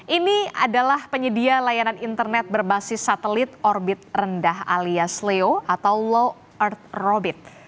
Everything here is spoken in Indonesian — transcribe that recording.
ini adalah penyedia layanan internet berbasis satelit orbit rendah alias leo atau low earth robbit